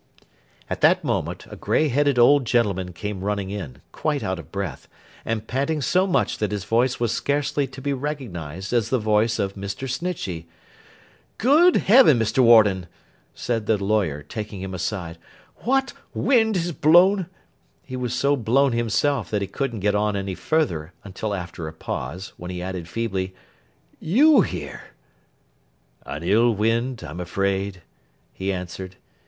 At that moment, a grey headed old gentleman came running in: quite out of breath, and panting so much that his voice was scarcely to be recognised as the voice of Mr. Snitchey. 'Good Heaven, Mr. Warden!' said the lawyer, taking him aside, 'what wind has blown—' He was so blown himself, that he couldn't get on any further until after a pause, when he added, feebly, 'you here?' 'An ill wind, I am afraid,' he answered.